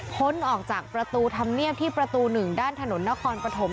้นออกจากประตูธรรมเนียบที่ประตู๑ด้านถนนนครปฐม